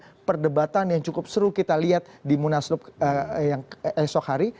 jadi perdebatan yang cukup seru kita lihat di munaslup yang esok hari